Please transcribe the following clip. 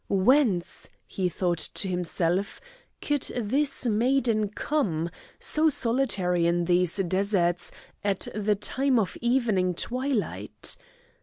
"Whence," he thought to himself, "could this maiden come, so solitary in these deserts, at the time of evening twilight?"